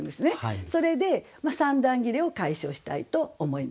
それで三段切れを解消したいと思います。